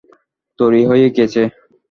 তৈরি হয়ে গেছে।